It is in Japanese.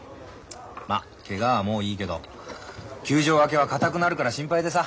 まっケガはもういいけど休場明けはかたくなるから心配でさ。